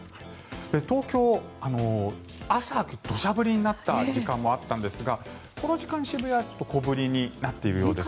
東京、朝、土砂降りになった時間もあったんですがこの時間、渋谷はちょっと小降りになっているようですね。